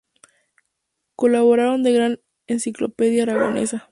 Colaborador de la Gran Enciclopedia Aragonesa.